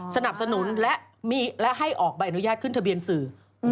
สนับสนุนและให้ออกใบอนุญาตขึ้นทะเบียนสื่อ